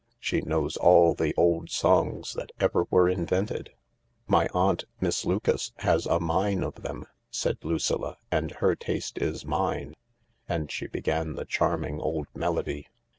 " She knows all the old songs that ever were invented." THE LARK 249 " My aunt, Miss Lucas, has a mine of them," said Lucilla, "and my taste is hers," and she began the charming old melody.